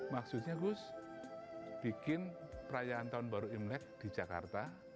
maksudnya gus bikin perayaan tahun baru imlek di jakarta